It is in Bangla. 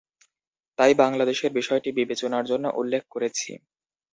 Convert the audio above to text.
তাই বাংলাদেশের বিষয়টি বিবেচনার জন্য উল্লেখ করেছি।